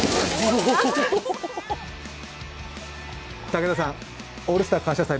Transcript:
武田さん「オールスター感謝祭」